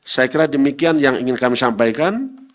saya kira demikian yang ingin kami sampaikan